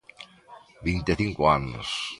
Vinte e cinco anos.